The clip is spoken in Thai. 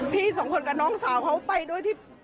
พี่สองคนกับน้องสาวเขาไปด้วยที่